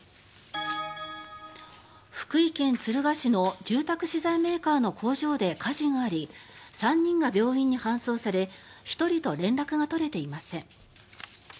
福井県敦賀市の住宅資材メーカーの工場で火事があり３人が病院に搬送され１人と連絡が取れていません。